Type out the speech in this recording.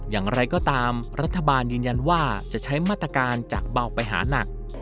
อย่างไรก็ตามรัฐบาลยืนยันว่าจะใช้มาตรการจากเบาไปหานัก